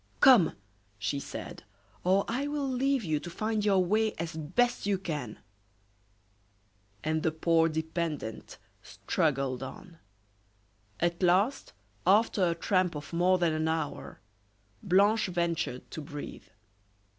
"Come!" she said, "or I will leave you to find your way as best you can." And the poor dependent struggled on. At last, after a tramp of more than an hour, Blanche ventured to breathe.